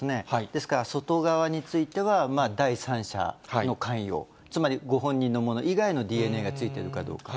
ですから外側については、第三者の関与、つまりご本人のもの以外のＤＮＡが付いているかどうか。